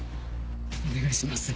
お願いします